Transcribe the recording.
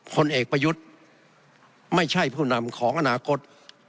ผลเอกประยุทธ์ไม่ใช่ผู้นำของอนาคต